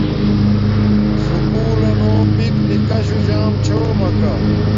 سکُول لنو پیک نکاشو جام چھومکا